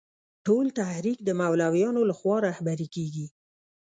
ټول تحریک د مولویانو له خوا رهبري کېږي.